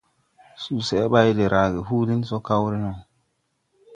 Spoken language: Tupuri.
Suseʼ bày de rage huulin so kaw re no.